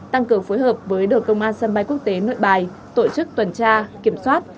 tăng cường phối hợp với đội công an sân bay quốc tế nội bài tổ chức tuần tra kiểm soát